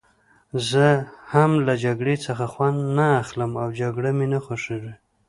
زه هم له جګړې څخه خوند نه اخلم او جګړه مې نه خوښېږي.